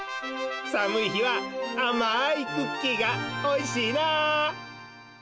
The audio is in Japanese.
さむい日はあまいクッキーがおいしいなあ！